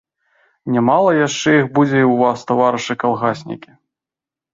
Нямала яшчэ іх будзе і ў вас, таварышы калгаснікі.